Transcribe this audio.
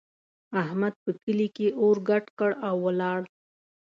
احمد په کلي کې اور ګډ کړ او ولاړ.